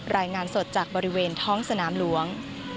รายงานสดจากบริเวณท้องสนามหลวง